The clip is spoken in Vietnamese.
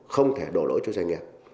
không thể đổ lỗi cho doanh nghiệp